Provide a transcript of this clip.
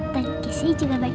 dan kesnya juga baik banget